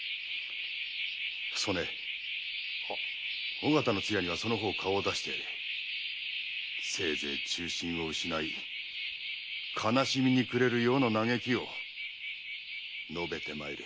尾形の通夜にはそのほう顔を出してせいぜい忠臣を失い悲しみに暮れる余の嘆きを述べて参れ。